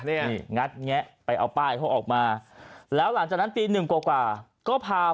อันเนี้ยไปเอาป้ายพวกออกมาแล้วหลังจากนั้นตี๑กว่ากว่าก็พา